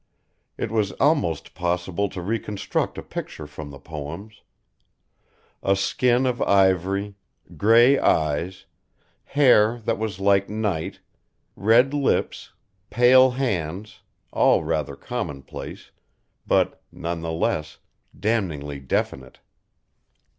It was almost possible to reconstruct a picture from the poems. A skin of ivory, grey eyes, hair that was like night, red lips, pale hands, all rather commonplace, but, none the less, damningly definite.